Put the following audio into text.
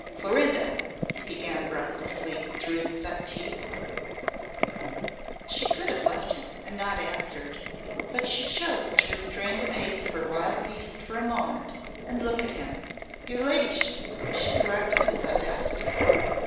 "Clorinda," he began breathlessly, through set teeth. She could have left him and not answered, but she chose to restrain the pace of her wild beast for a moment and look at him. "'Your ladyship!'" she corrected his audacity.